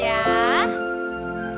tuh kan cantik